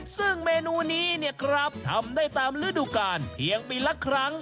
ซึ่งเมนูนี้เนี่ยครับทำได้ตามฤดูกาลเพียงปีละครั้ง